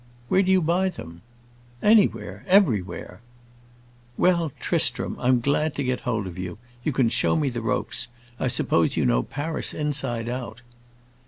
"Where do you buy them?" "Anywhere, everywhere." "Well, Tristram, I'm glad to get hold of you. You can show me the ropes. I suppose you know Paris inside out."